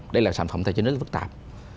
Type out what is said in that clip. đây là sản phẩm tài chính rất phức tạp